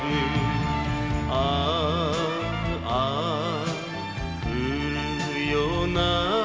「ああ降るような」